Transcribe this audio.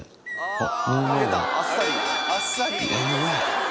あっ。